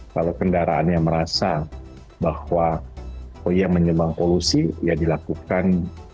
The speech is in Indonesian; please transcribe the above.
kalau kendaraan yang merasa bahwa oh iya menyebabkan polusi ya dilakukan